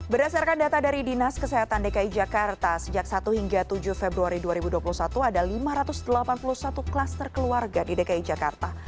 berdasarkan data dari dinas kesehatan dki jakarta sejak satu hingga tujuh februari dua ribu dua puluh satu ada lima ratus delapan puluh satu klaster keluarga di dki jakarta